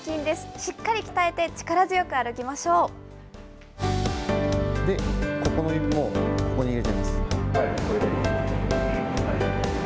しっかり鍛えて力強くここの指もここに入れて。